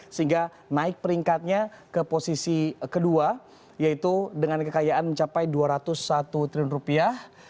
sehingga naik peringkatnya ke posisi kedua yaitu dengan kekayaan mencapai dua ratus satu triliun rupiah